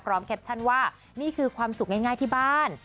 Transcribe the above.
แคปชั่นว่านี่คือความสุขง่ายที่บ้าน